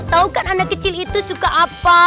tau kan anak kecil itu suka apa